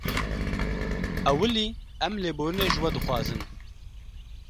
Ewilî em lêborînê ji we dixwazin